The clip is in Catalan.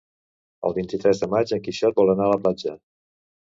El vint-i-tres de maig en Quixot vol anar a la platja.